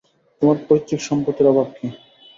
তোমার পৈতৃক সম্পত্তির অভাব কী।